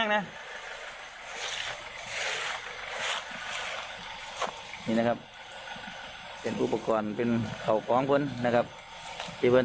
นี่นะครับเป็นอุปกรณ์เป็นเข่าของคนนะครับกี่วัน